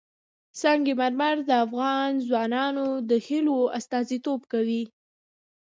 سنگ مرمر د افغان ځوانانو د هیلو استازیتوب کوي.